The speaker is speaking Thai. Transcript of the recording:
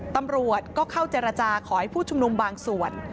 ตำรวจก็เข้าเจรจาขอให้ผู้ชุมนุมบางส่วน